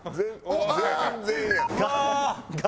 全然やん。